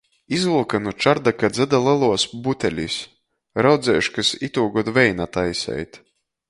Izvylka nu čardaka dzeda leluos butelis, raudzeiškys itūgod veina taiseit.